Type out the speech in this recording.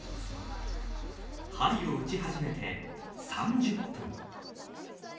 鍼を打ち始めて３０分。